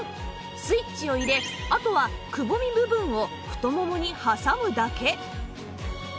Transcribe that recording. スイッチを入れあとはくぼみ部分を太ももに挟むだけ